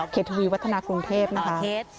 ทวีวัฒนากรุงเทพนะคะ